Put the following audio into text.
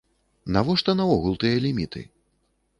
Навошта наогул тыя ліміты?